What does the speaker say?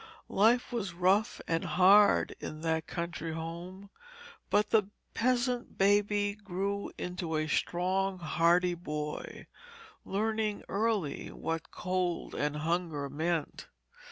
Life was rough and hard in that country home, but the peasant baby grew into a strong, hardy boy, learning early what cold and hunger meant.